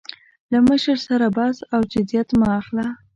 له مشر سره بحث او جدیت مه اخله.